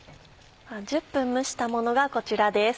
１０分蒸したものがこちらです。